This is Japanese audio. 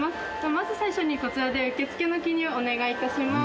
まず最初にこちらで受付の記入をお願い致します。